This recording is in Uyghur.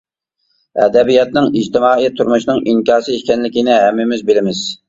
ئەدەبىياتنىڭ ئىجتىمائىي تۇرمۇشنىڭ ئىنكاسى ئىكەنلىكىنى ھەممىمىز بىلىمىز.